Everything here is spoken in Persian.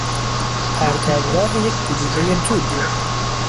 پرتابراه یک گلولهی توپ